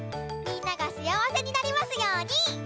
みんながしあわせになりますように！